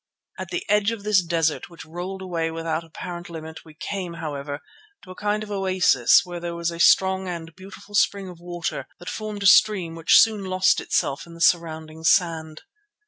At the edge of this desert which rolled away without apparent limit we came, however, to a kind of oasis where there was a strong and beautiful spring of water that formed a stream which soon lost itself in the surrounding sand.